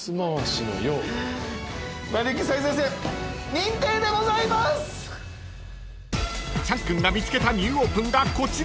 ［チャン君が見つけたニューオープンがこちら］